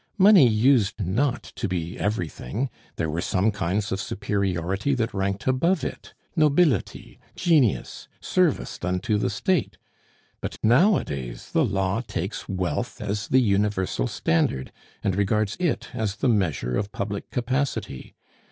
Money used not to be everything; there were some kinds of superiority that ranked above it nobility, genius, service done to the State. But nowadays the law takes wealth as the universal standard, and regards it as the measure of public capacity.